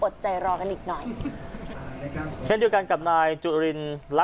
อดใจรอกันอีกหน่อย